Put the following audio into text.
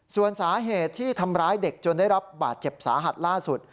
ส่วนสาเหตุที่ทำร้ายเด็กจนได้รับบาดเจ็บสาหัสล่าสุด